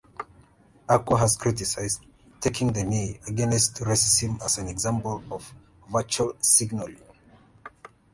Akua has criticised "taking the knee" against racism as an example of virtue signalling.